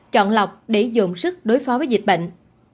chọn lọc để dồn sức đối phó với dịch bệnh